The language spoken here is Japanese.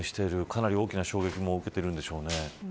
かなり大きな衝撃を受けているんでしょうね。